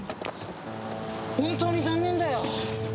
本当に残念だよ。